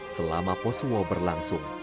selama posuo berlangsung